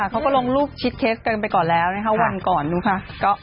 เขาก็ลงรูปชิดเคสกันไปก่อนแล้วนะคะวันก่อนดูค่ะ